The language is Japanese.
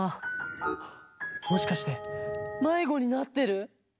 あもしかしてまいごになってる？